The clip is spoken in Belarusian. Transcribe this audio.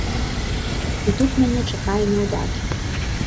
І тут мяне чакае няўдача.